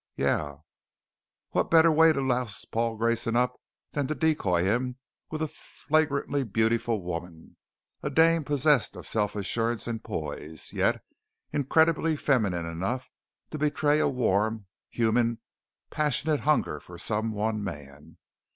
"Yeah." "What better way to louse Paul Grayson up than to decoy him with a flagrantly beautiful woman; a dame possessed of self assurance and poise, yet incredibly feminine enough to betray a warm, human passionate hunger for some one man.